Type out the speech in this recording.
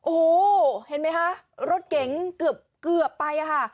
โอ้โหเห็นไหมคะรถเก๋งเกือบไปอะค่ะ